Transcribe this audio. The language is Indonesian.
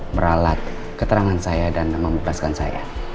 meralat keterangan saya dan membebaskan saya